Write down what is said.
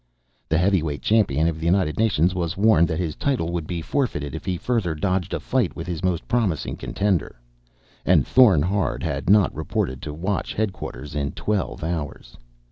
The heavy weight champion of the United Nations was warned that his title would be forfeited if he further dodged a fight with his most promising contender. And ... Thorn Hard had not reported to Watch headquarters in twelve hours.